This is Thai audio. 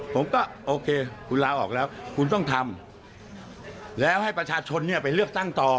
ผมก็โอเคคุณลาออกแล้วคุณต้องทำแล้วให้ประชาชนเนี่ยไปเลือกตั้งต่อ